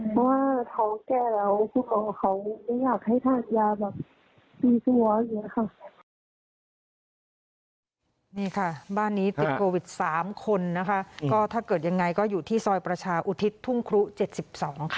เพราะว่าเขาแก้แล้วพวกเขาไม่อยากให้ทานยาแบบตีตัวอย่างนี้ค่ะ